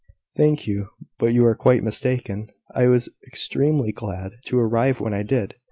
"Thank you: but you are quite mistaken. I was extremely glad to arrive when I did.